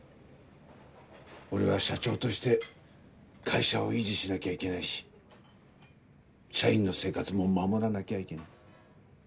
俺は社長として会社を維持しなきゃいけないし社員の生活も守らなきゃいけない。